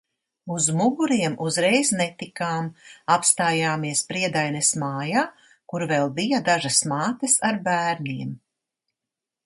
Uz Muguriem uzreiz netikām, apstājāmies Priedaines mājā, kur vēl bija dažas mātes ar bērniem.